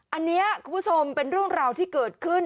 อันนี้คุณผู้ชมเป็นเรื่องราวที่เกิดขึ้น